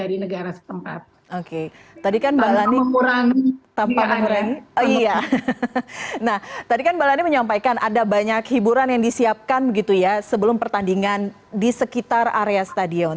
nah tadi kan mbak lani menyampaikan ada banyak hiburan yang disiapkan gitu ya sebelum pertandingan di sekitar area stadion